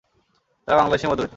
তারা বাংলাদেশী মধ্যবিত্ত।